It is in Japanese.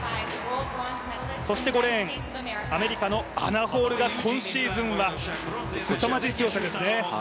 ５レーン、アメリカのアナ・ホールが今シーズンはすさまじい強さですね。